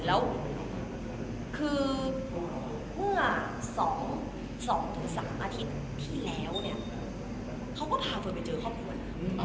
แล้วคือเมื่อ๒๓อาทิตย์ที่แล้วเนี่ยเขาก็พาเฟิร์นไปเจอครอบครัวนะ